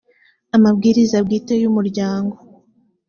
amabwiriza bwite y’umuryango